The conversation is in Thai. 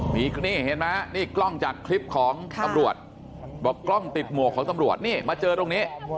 นี่เห็นไหมนี่กล้องจากคลิปของตำรวจบอกกล้องติดหมวกของตำรวจนี่มาเจอตรงนี้